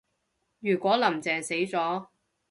如果林鄭死咗